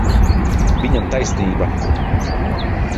Viņam taisnība.